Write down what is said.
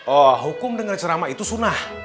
oh hukum dengar cerama itu sunnah